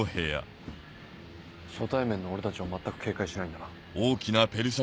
初対面の俺たちを全く警戒しないんだな。